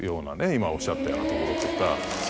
今おっしゃったようなところとか。